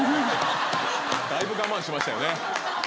だいぶ我慢しましたよね。